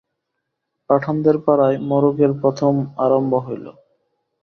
পাঠানদের পাড়ায় মড়কের প্রথম আরম্ভ হইল।